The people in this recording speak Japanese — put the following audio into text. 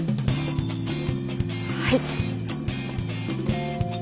はい。